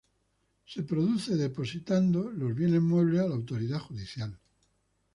Se produce depositando los bienes muebles a la autoridad judicial.